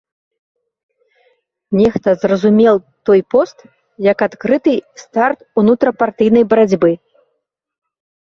Нехта зразумеў той пост як адкрыты старт унутрыпартыйнай барацьбы.